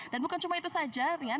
dan bukan cuma itu saja rian